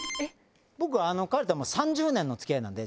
僕彼とは３０年の付き合いなんで。